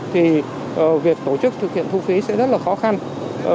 thì có thể là một giải pháp để mở rộng các đảo giao thông trong thành phố